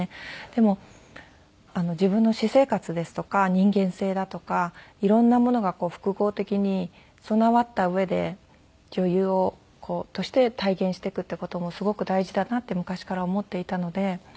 でも自分の私生活ですとか人間性だとか色んなものが複合的に備わった上で女優として体現していくっていう事もすごく大事だなって昔から思っていたので。